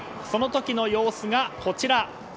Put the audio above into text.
その時の様子がこちら。